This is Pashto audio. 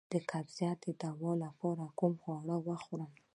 د قبضیت د دوام لپاره کوم خواړه وخورم؟